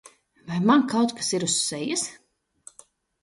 Vai man kaut kas ir uz sejas?